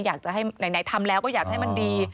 อยากจะให้ไหนทำแล้วก็อยากให้มันดี